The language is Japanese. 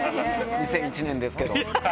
２００１年ですけど。